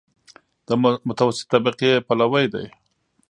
د متوسطې طبقې پلوی دی.